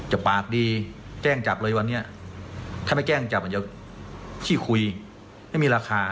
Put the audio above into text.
ปากดีแจ้งจับเลยวันนี้ถ้าไม่แจ้งจับมันจะขี้คุยไม่มีราคา